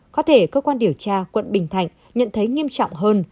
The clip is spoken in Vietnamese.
có thể cơ quan điều tra quận bình thạnh nhận thấy nghiêm trọng hơn